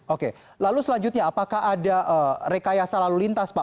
oke lalu selanjutnya apakah ada rekayasa lalu lintas pak